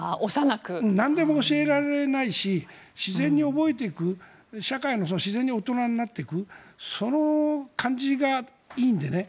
なんでも教えられないし自然に覚えていく自然に大人になっていくその感じがいいんでね。